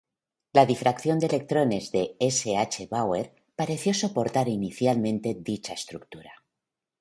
La difracción de electrones de S. H. Bauer pareció soportar inicialmente dicha estructura.